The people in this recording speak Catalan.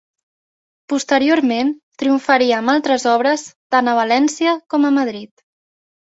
Posteriorment triomfaria amb altres obres tant a València com a Madrid.